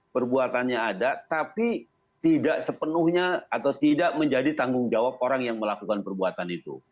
perbuatannya ada tapi tidak sepenuhnya atau tidak menjadi tanggung jawab orang yang melakukan perbuatan itu